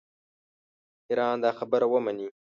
ایران دا خبره ومني.